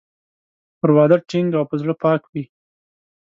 پر وعده ټینګ او په زړه پاک وي.